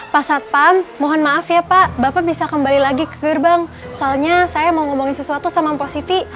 pak satpam mohon maaf ya pak bapak bisa kembali lagi ke gerbang soalnya saya mau ngomongin sesuatu sama mpok siti